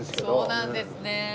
そうなんですね。